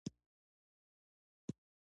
ځنګلونه د افغانستان د طبیعي پدیدو یو رنګ دی.